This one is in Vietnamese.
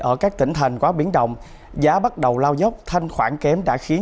ở các tỉnh thành quá biến động giá bắt đầu lao dốc thanh khoản kém đã khiến